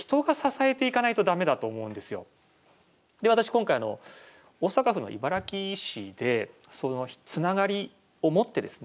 今回大阪府の茨木市でつながりを持ってですね